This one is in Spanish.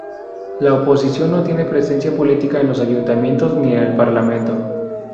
La oposición no tiene presencia política en los ayuntamientos ni en el Parlamento.